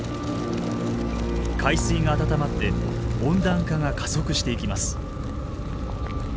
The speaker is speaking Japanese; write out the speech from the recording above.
海水が温まって温暖化が加速していきます。